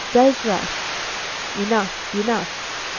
Dezra!" (Enough! Enough!)